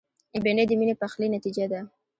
بېنډۍ د میني پخلي نتیجه ده